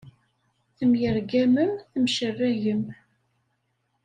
Temyergamem, temcerragem.